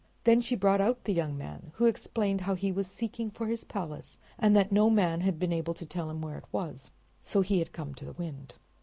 Then she brought out the young man, who explained how he was seeking for his palace, and that no man had been able to tell him where it was, so he had come to the Wind.